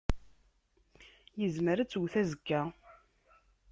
Yezmer ad twet azekka.